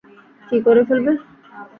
কী করে ফেলবে?